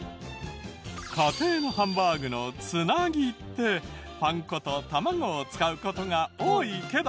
家庭のハンバーグの繋ぎってパン粉と卵を使う事が多いけど。